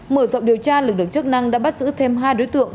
mở rộng điều tra lực lượng chức năng đã bắt giữ thêm hai đối tượng